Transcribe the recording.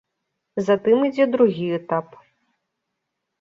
Затым ідзе другі этап.